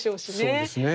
そうですね。